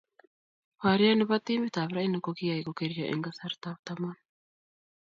Borye ne bo timit ab Rhino ko kiyay kokerio eng kasartab taman